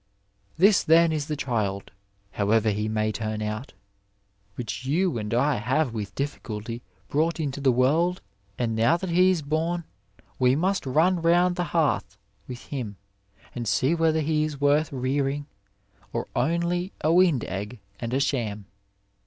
'^ This then is the chikl, however he may torn out, which you and I have with difficulty brought into the world, and now that he is bom we must run round the hearth with him and see whether he is worth rearing or only a wind egg and a sham.